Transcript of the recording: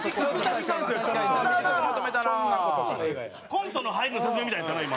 コントの入りの説明みたいやったな今。